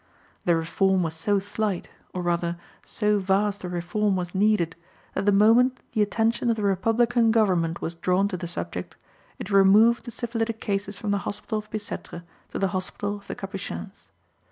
The reform was so slight, or rather so vast a reform was needed, that the moment the attention of the republican government was drawn to the subject, it removed the syphilitic cases from the hospital of Bicêtre to the hospital of the Capuchins.